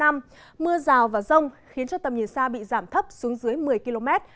mưa rào và rông khiến cho tầm nhìn xa bị giảm thấp xuống dưới một mươi km